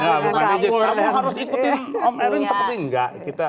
kamu harus ikutin om erin seperti enggak